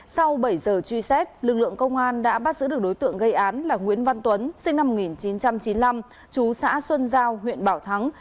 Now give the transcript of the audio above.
sau bảy giờ truy xét lực lượng công an đã bắt giữ được đối tượng gây án là nguyễn văn tuấn sinh năm một nghìn chín trăm chín mươi năm chú xã xuân giao huyện bảo thắng